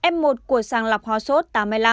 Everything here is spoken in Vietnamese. f một của sàng lọc hóa sốt tám mươi năm